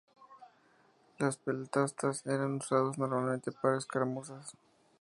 Los peltastas eran usados normalmente para las escaramuzas.